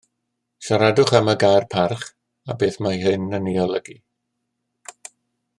Siaradwch am y gair parch a beth mae hyn yn ei olygu